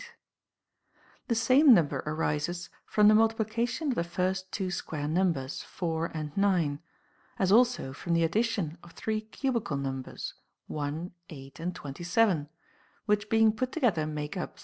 * The same number arises from the multiplication of the first two square numbers, 4 and 9 ; as also from the addition of the three cubical numbers, 1, 8, and 27, which being put together make up 36.